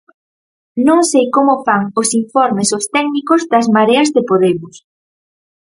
Non sei como fan os informes os técnicos das Mareas de Podemos.